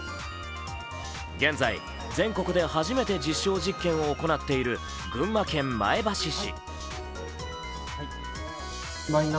現在、全国で初めて実証実験を行っている群馬県前橋市。